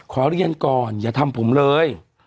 ขอเรียนก่อนอย่าทำผมเลย